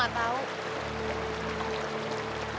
aku mau pergi